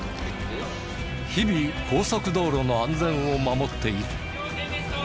日々高速道路の安全を守っている。